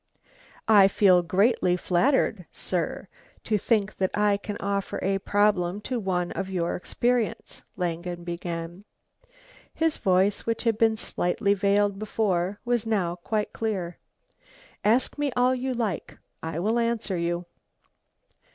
"I feel greatly flattered, sir, to think that I can offer a problem to one of your experience," Langen began. His voice, which had been slightly veiled before, was now quite clear. "Ask me all you like. I will answer you."